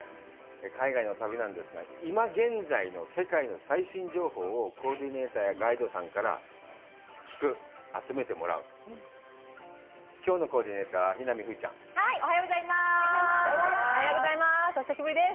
海外の旅なんですが今現在の世界の最新情報をコーディネーターやガイドさんから聞く集めてもらう今日のコーディネーターは妃海風ちゃんはいおはようございますお久しぶりです